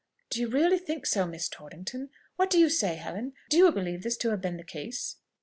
"Do you really think so, Miss Torrington? What do you say, Helen? do you believe this to have been the case?"